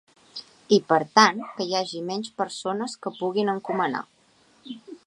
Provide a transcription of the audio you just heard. I per tant, que hi hagi menys persones que puguin encomanar.